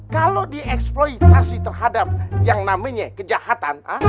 kalau dieksploitasi terhadap yang namanya kejahatan a